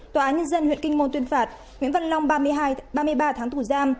tòa án nhân dân huyện kinh môn tuyên phạt nguyễn văn long ba mươi ba tháng tù giam